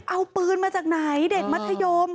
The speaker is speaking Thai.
เอาปืนมาจากไหนเด็กมัธยม